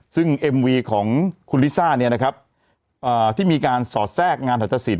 ซึ่งเอ็มวีของคุณลิซ่าเนี่ยนะครับที่มีการสอดแทรกงานหัตตสิน